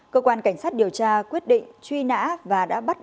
cơ quan cảnh sát điều tra quyết định truy nã và đã bắt